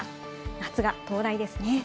夏が到来ですね。